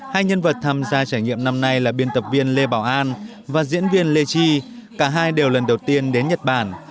hai nhân vật tham gia trải nghiệm năm nay là biên tập viên lê bảo an và diễn viên lê chi cả hai đều lần đầu tiên đến nhật bản